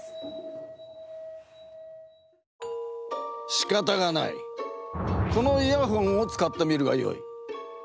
しかたがないこのイヤホンを使ってみるがよい。